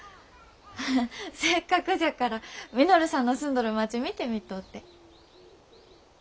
ハハッせっかくじゃから稔さんの住んどる町見てみとうて。